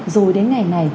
rồi đến ngày này